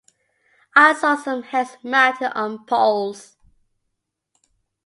I saw some heads mounted on poles.